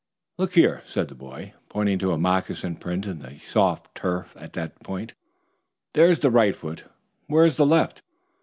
"Look here," said the boy, pointing to a moccasin print in the soft turf at that point. "There's the right foot. Where's the left?